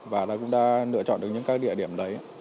và cũng đã lựa chọn được những các địa điểm đấy